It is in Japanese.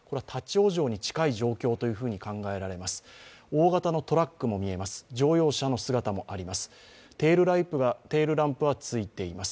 大型のトラックも見えます、乗用車の姿もあります。